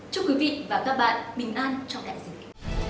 chúc quý vị và các bạn bình an trong đại dịch